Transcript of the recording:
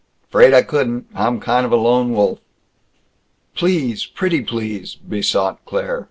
"'Fraid I couldn't. I'm kind of a lone wolf." "Please! Pretty please!" besought Claire.